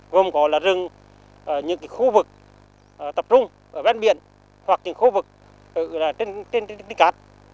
gồm có là rừng những khu vực tập trung ở bên biển hoặc những khu vực ở trên đất cát